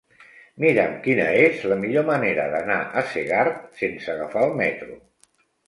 Mira'm quina és la millor manera d'anar a Segart sense agafar el metro.